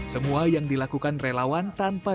semua yang dilakukan relawan tanpa